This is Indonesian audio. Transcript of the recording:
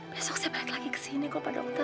besok saya balik lagi ke sini kok pak dokter